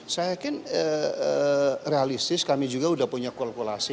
saya yakin realistis kami juga sudah punya kalkulasi